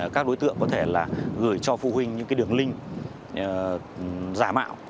các đối tượng có thể là gửi cho phụ huynh những đường link giả mạo